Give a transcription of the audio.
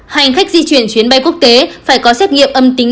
hành khách di chuyển chuyến bay quốc tế phải có xét nghiệm âm tính